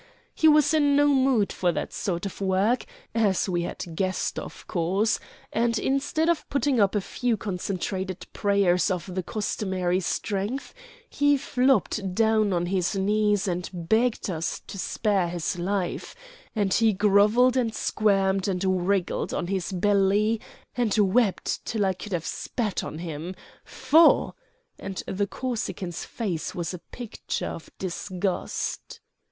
He was in no mood for that sort of work, as we had guessed of course, and instead of putting up a few concentrated prayers of the customary strength he flopped down on his knees and begged us to spare his life, and he grovelled and squirmed and wriggled on his belly and wept till I could have spat on him. Faugh!" and the Corsican's face was a picture of disgust.